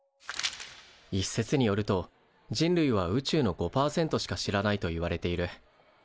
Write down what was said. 一説によると人類は宇宙の５％しか知らないといわれている。